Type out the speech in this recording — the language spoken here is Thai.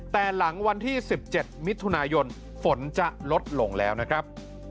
แต่หลังวันที่๑๗มิถุนายนฝนจะลดลงแล้วนะครับ